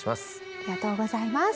ありがとうございます。